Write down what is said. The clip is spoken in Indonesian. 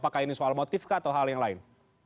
apakah ini soal motif kah atau hal yang lain